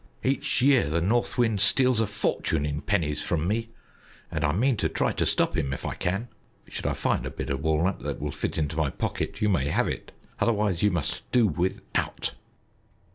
Each year the North Wind steals a fortune in pennies from me, and I mean to try to stop him if I can. Should I find a bit of walnut that will fit into my pocket, you may have it; otherwise you must do without."